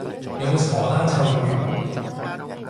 有冇食荷蘭臭魚？